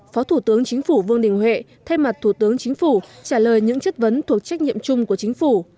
phó thủ tướng chính phủ vương đình huệ thay mặt thủ tướng chính phủ trả lời những chất vấn thuộc trách nhiệm chung của chính phủ